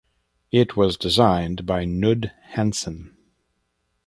It was designed by Knud Hansen.